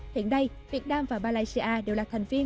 hiện nay việt nam và malaysia đều là thành viên